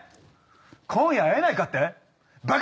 「今夜会えないか？」